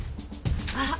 あっ！